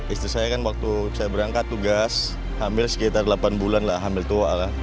istri saya kan waktu saya berangkat tugas hamil sekitar delapan bulan lah hamil tua lah